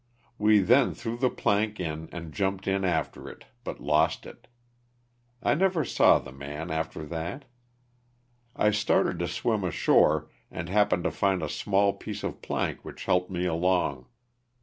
We then threw the plank in and jumped in after it but lost it. I never saw the man after that. I started to swim ashore and happened to find a small piece of plank which helped me along.